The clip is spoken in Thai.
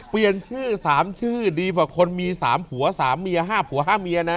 เปลี่ยนชื่อสามชื่อดีกว่าคนมีสามผัวสามเมียห้าผัวห้าเมียนะ